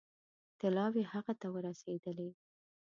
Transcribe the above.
طلاوې هغه ته ورسېدلې.